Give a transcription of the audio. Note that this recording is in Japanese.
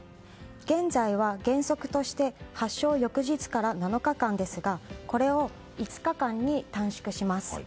現在は原則として発症翌日から７日間ですがこれを５日間に短縮します。